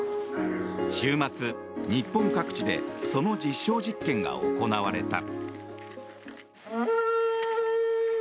週末、日本各地でその実証実験が行われた。